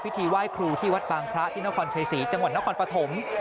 ไหว้ครูที่วัดบางพระที่นครชัยศรีจังหวัดนครปฐม